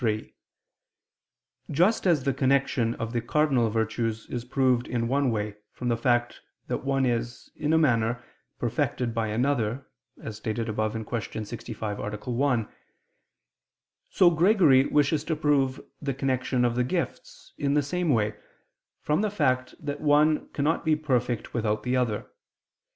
3: Just as the connection of the cardinal virtues is proved in one way from the fact that one is, in a manner, perfected by another, as stated above (Q. 65, A. 1); so Gregory wishes to prove the connection of the gifts, in the same way, from the fact that one cannot be perfect without the other.